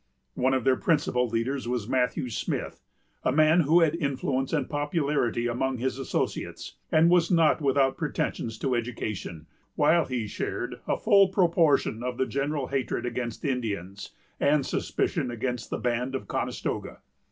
One of their principal leaders was Matthew Smith, a man who had influence and popularity among his associates, and was not without pretensions to education; while he shared a full proportion of the general hatred against Indians, and suspicion against the band of Conestoga.